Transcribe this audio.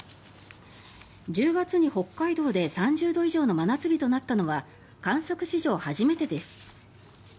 １０月に北海道で３０度以上の真夏日となったのは観測史上初めてです。